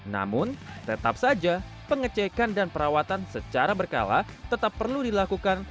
namun tetap saja pengecekan dan perawatan secara berkala tetap perlu dilakukan